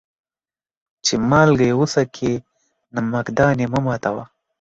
چي مالگه يې وڅکې ، نمک دان يې مه ماتوه.